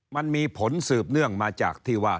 มันมีผลสืบเนื่องมาจากที่ว่า